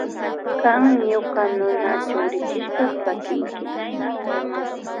Kan ñuka nuna chukrichishpa sakinki.